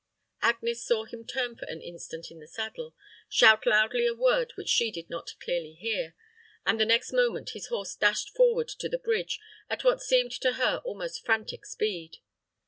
Agnes saw him turn for an instant in the saddle, shout loudly a word which she did not clearly hear, and the next moment his horse dashed forward to the bridge, at what seemed to her almost frantic speed.